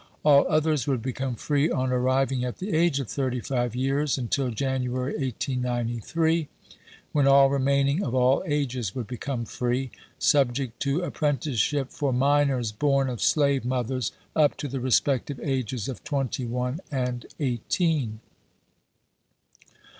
All others would become free on arriving at the age of thirty five years until January, 1893, when all remaining of all ages would become free, subject to apprentice ship for minors born of slave mothers, up to the respective ages of twenty one and eighteen."